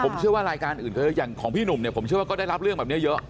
ผมเชื่อว่ารายการอื่นอย่างของพี่หนุ่มเนี่ยผมเชื่อว่าก็ได้รับเรื่องแบบนี้เยอะ